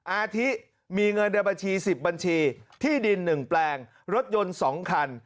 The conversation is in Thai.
อาทิมีเงินในบัญชี๑๐บัญชีที่ดิน๑แปลงรถยนต์๒คัน